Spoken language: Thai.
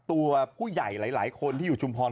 ตัวผู้ใหญ่หลายคนที่อยู่ชุมพร